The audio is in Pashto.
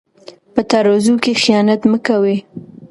په ترازو کې خیانت مه کوئ.